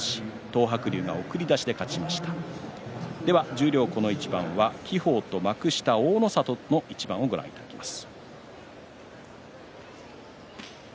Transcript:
十両この一番は輝鵬と幕下、大の里の一番をご覧いただきます。